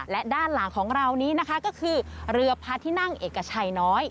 และด้านหลังของเรานี้นะคะก็คือเรือพระที่นั่งเอกชัยน้อย